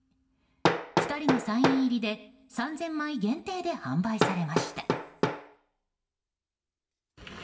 ２人のサイン入りで３０００枚限定で販売されました。